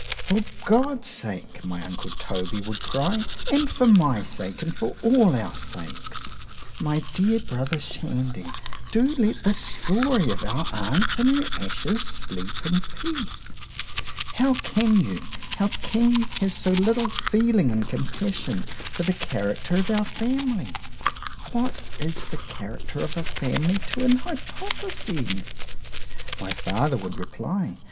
For God's sake, my uncle Toby would cry,——and for my sake, and for all our sakes, my dear brother Shandy,—do let this story of our aunt's and her ashes sleep in peace;——how can you,——how can you have so little feeling and compassion for the character of our family?——What is the character of a family to an hypothesis? my father would reply.